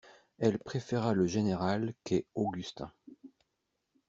Elle préféra le général qu'est Augustin.